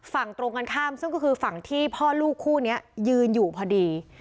ฝั่งตรงกันข้ามซึ่งก็คือฝั่งที่พ่อลูกคู่นี้ยืนอยู่พอดี